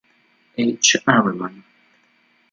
H. Harriman.